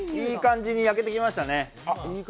いい感じに焼けてきましたね。